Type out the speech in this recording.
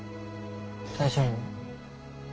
大丈夫？